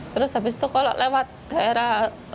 terus habis itu kalau lewat daerah